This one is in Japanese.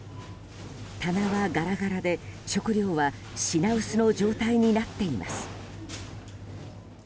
棚はガラガラで、食料は品薄の状態になっています。